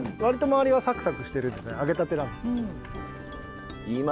わりと周りがサクサクしてるので揚げたてなんで。